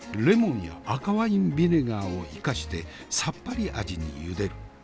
レモンや赤ワインビネガーを生かしてサッパリ味にゆでる。